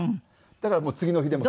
だから次の日でも。